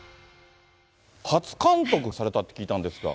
初監督されたって聞いたんですが。